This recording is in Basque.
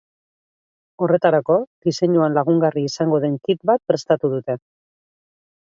Horretarako, diseinuan lagungarri izango den kit bat prestatu dute.